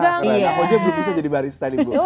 karena aku aja belum bisa jadi barista nih bu